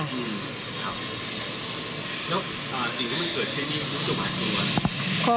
แล้วสิ่งที่มันเกิดในที่นี่มันสูงหักหรือเปล่าครับ